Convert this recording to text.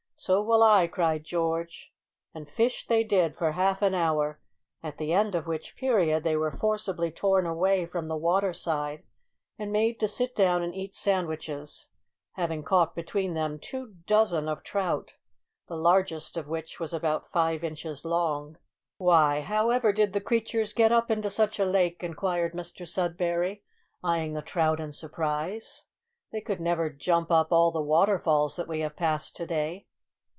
"So will I," cried George. And fish they did for half an hour, at the end of which period they were forcibly torn away from the water side and made to sit down and eat sandwiches having caught between them two dozen of trout, the largest of which was about five inches long. "Why, how did ever the creatures get up into such a lake?" inquired Mr Sudberry, eyeing the trout in surprise: "they could never jump up all the waterfalls that we have passed to day."